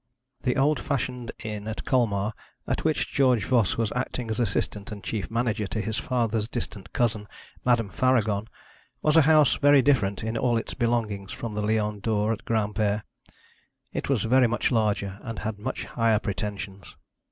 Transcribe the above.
The old fashioned inn at Colmar, at which George Voss was acting as assistant and chief manager to his father's distant cousin, Madame Faragon, was a house very different in all its belongings from the Lion d'Or at Granpere. It was very much larger, and had much higher pretensions.